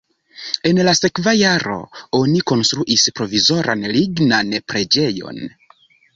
En la sekva jaro oni konstruis provizoran lignan preĝejon.